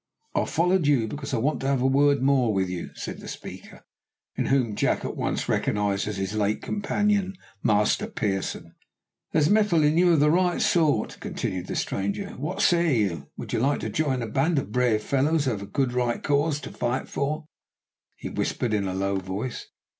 "I followed you, because I want to have a word more with you," said the speaker, in whom Jack at once recognised his late companion, Master Pearson. "There's mettle in you of the right sort," continued the stranger. "What say you? Would you like to join a band of brave fellows who have a right good cause to fight for?" he whispered in a low voice.